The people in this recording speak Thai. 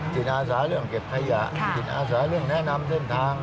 จิตอาสาเรื่องเก็บขยะจิตอาสาเรื่องแนะนำเส้นทาง